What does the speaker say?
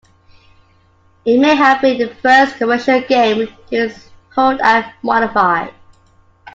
It may have been the first commercial game to use Hold-And-Modify.